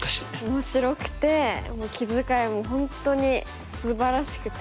面白くて気遣いも本当にすばらしくて。